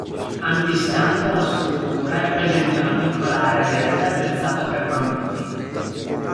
Antistante alla struttura è presente una piccola area verde attrezzata per bambini.